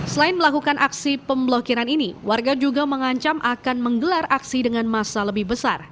selain melakukan aksi pemblokiran ini warga juga mengancam akan menggelar aksi dengan masa lebih besar